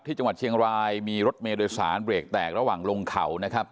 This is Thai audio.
ที่จังหวัดเชียงรายมีรถเมย์โดยสารเบรกแตกระหว่างลงเขานะครับ